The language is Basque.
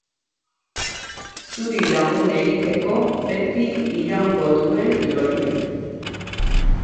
Zuri lagun egiteko beti iraungo duen lorian.